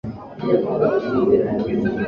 Alipoanguka wale wanne walishtuka na kuja mkuku